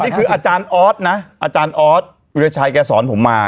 อันนี้คืออาจารย์อ๊อตนะอาจารย์อ๊อตวิวชัยก็สอนผมมา